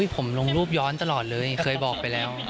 ผมลงรูปย้อนตลอดเลยเคยบอกไปแล้ว